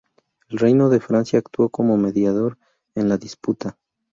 El reino de Francia actuó como mediador en la disputa.